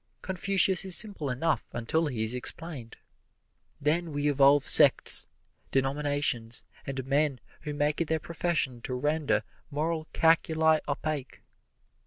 Confucius is simple enough until he is explained. Then we evolve sects, denominations and men who make it their profession to render moral calculi opaque.